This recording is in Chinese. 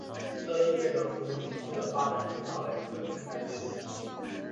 这意味着浦东新区的发展步上了一个新的台阶。